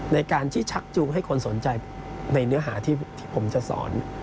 ในการที่ชักจูงให้คนสนใจในเนื้อหาที่ผมจะสอน